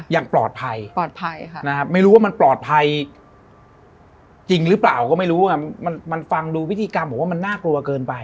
ยังปลอดภัยไม่รู้ว่ามันปลอดภัยจริงหรือเปล่าก็ไม่รู้ว่ามันฟังดูวิธีกรรมหรือว่ามันน่ากลัวเกินไป